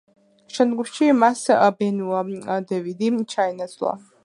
შემდგომში მას ბენუა დევიდი ჩაენაცვლა.